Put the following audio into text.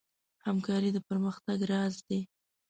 همکاري د پرمختګ راز دی.